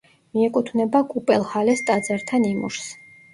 მიეკუთვნება კუპელჰალეს ტაძართა ნიმუშს.